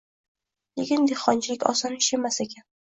Lekin dehqonchilik oson ish emas ekan.